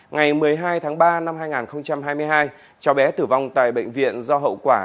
ngày một mươi hai tháng ba năm hai nghìn hai mươi hai cháu bé tử vong tại bệnh viện do hậu quả